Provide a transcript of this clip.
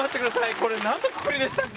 これ、なんのくくりでしたっけ？